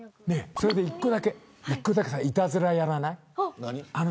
それで１個だけいたずらやらない。